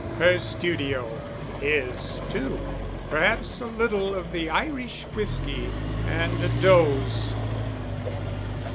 Her studio ... his too. Perhaps a little of the Irish whisky and a doze....